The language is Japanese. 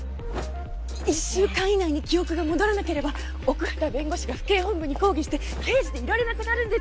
１週間以内に記憶が戻らなければ奥畑弁護士が府警本部に抗議して刑事でいられなくなるんですよ！